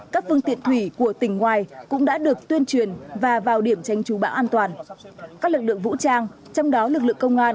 các phương tiện thủy của tỉnh ngoài cũng đã được tuyên truyền và vào điểm tránh trú bão an toàn